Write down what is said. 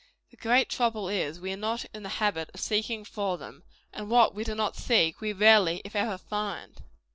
The great trouble is, we are not in the habit of seeking for them; and what we do not seek, we rarely, if ever, find.